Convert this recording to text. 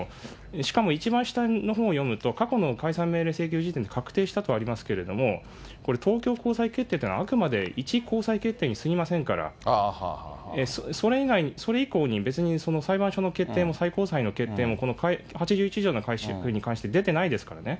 しかも一番下のほうを読むと、過去の解散命令請求確定したとありますけれども、これ東京高裁決定というのは、あくまでいち高裁決定にすぎませんから、それ以降に、別にその裁判所の決定も、最高裁の決定も、この８１条に関して出てないですからね。